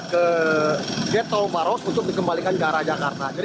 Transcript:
ke getol baros untuk dikembalikan ke arah jakarta